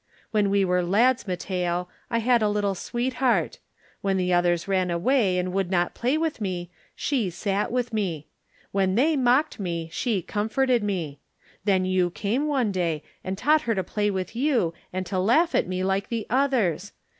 When we were lads, Matteo, I had a little sweetheart. When the others ran away and would not play with me, she sat with me. When they mocked me, she com forted me. Then you came one day and taught her to play with you, and to laugh at me like the others.